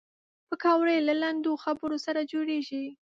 پکورې له لنډو خبرو سره جوړېږي